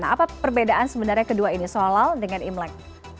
apa perbedaan sebenarnya kedua ini sholal dengan imlek